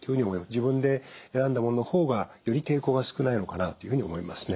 自分で選んだものの方がより抵抗が少ないのかなというふうに思いますね。